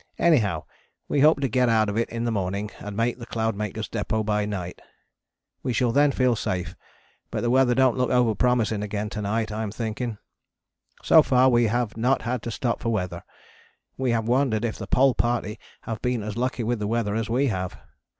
Anyhow we hope to get out of it in the morning and make the Cloudmaker Depôt by night. We shall then feel safe, but the weather dont look over promising again to night, I am thinking. So far we have not had to stop for weather. We have wondered if the Pole Party have been as lucky with the weather as we have.